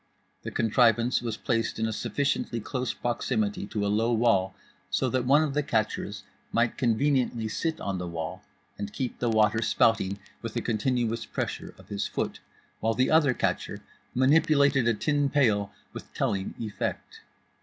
The contrivance was placed in sufficiently close proximity to a low wall so that one of the catchers might conveniently sit on the wall and keep the water spouting with a continuous pressure of his foot, while the other catcher manipulated a tin pail with telling effect.